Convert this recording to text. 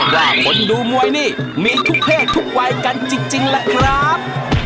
ว่าคนดูมวยนี่มีทุกเพศทุกวัยกันจริงล่ะครับ